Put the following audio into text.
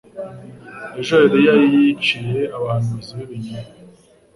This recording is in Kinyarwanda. aho Eliya yiciye abahanuzi b'ibinyoma,